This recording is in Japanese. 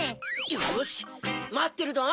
よしまってるどん！